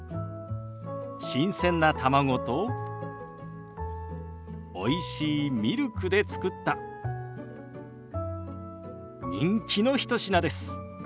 新鮮な卵とおいしいミルクで作った人気の一品です。